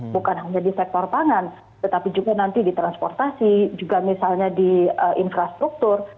bukan hanya di sektor pangan tetapi juga nanti di transportasi juga misalnya di infrastruktur